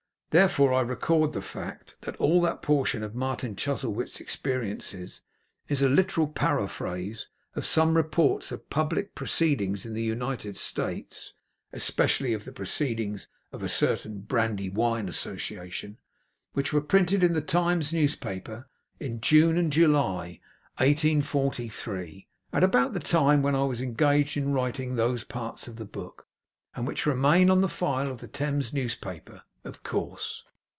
Therefore I record the fact that all that portion of Martin Chuzzlewit's experiences is a literal paraphrase of some reports of public proceedings in the United States (especially of the proceedings of a certain Brandywine Association), which were printed in the Times Newspaper in June and July, 1843 at about the time when I was engaged in writing those parts of the book; and which remain on the file of the Times Newspaper, of course.